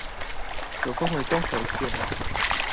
可分為中和線